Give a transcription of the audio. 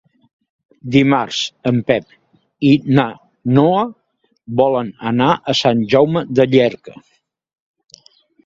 Dimarts en Pep i na Noa volen anar a Sant Jaume de Llierca.